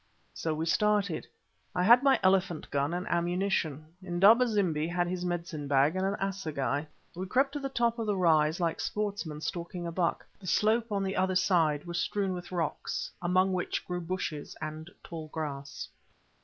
So we started. I had my elephant gun and ammunition. Indaba zimbi had his medicine bag and an assegai. We crept to the top of the rise like sportsmen stalking a buck. The slope on the other side was strewn with rocks, among which grew bushes and tall grass.